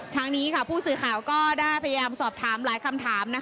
ทางนี้ผู้สื่อข่าวก็ได้พยายามสอบถามหลายคำถาม